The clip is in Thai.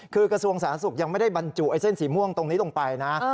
คือกระทรวงสาธารณสุขยังไม่ได้บรรจุไอ้เส้นสีม่วงตรงนี้ลงไปนะ